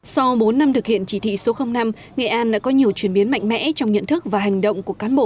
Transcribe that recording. sau bốn năm thực hiện chỉ thị số năm nghệ an đã có nhiều chuyển biến mạnh mẽ trong nhận thức và hành động của cán bộ